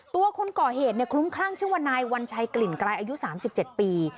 คนก่อเหตุคลุ้มคลั่งชื่อว่านายวัญชัยกลิ่นไกลอายุ๓๗ปี